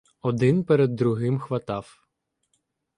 Один перед другим хватав.